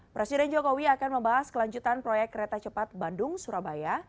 presiden jokowi akan membahas kelanjutan proyek kereta cepat bandung surabaya